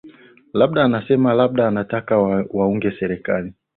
labda anasema labda anataka waunge serikali